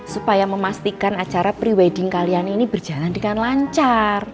supaya memastikan acara pre wedding kalian ini berjalan dengan lancar